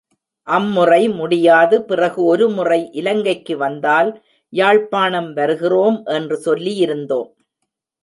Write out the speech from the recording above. அம்முறை முடியாது பிறகு ஒரு முறை இலங்கைக்கு வந்தால், யாழ்ப்பாணம் வருகிறோம் என்று சொல்லியிருந்தோம்.